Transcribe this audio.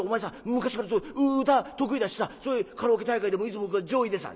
昔から歌得意だしさそういうカラオケ大会でもいつも上位でさ」。